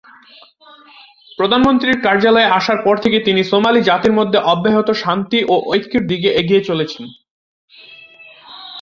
প্রধানমন্ত্রী কার্যালয়ে আসার পর থেকে তিনি সোমালি জাতির মধ্যে অব্যাহত শান্তি ও ঐক্যের দিকে এগিয়ে চলেছেন।